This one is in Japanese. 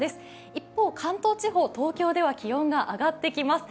一方、関東地方、東京では気温が上がってきます。